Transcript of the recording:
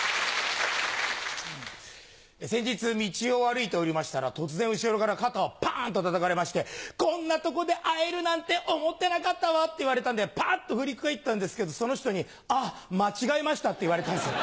先日道を歩いておりましたら突然後ろから肩をパーン！っとたたかれまして「こんなとこで会えるなんて思ってなかったわ」って言われたんでパッと振り返ったんですけどその人に「あっ間違えました」って言われたんですよ。